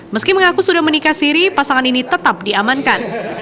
meski mengaku sudah menikah siri pasangan ini tetap diamankan